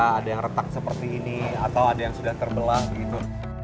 ada yang retak seperti ini atau ada yang sudah terbelah begitu